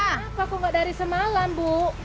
kenapa kok gak dari semalam bu